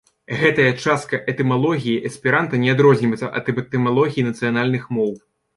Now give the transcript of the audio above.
Гэтая частка этымалогіі эсперанта не адрозніваецца ад этымалогіі нацыянальных моў.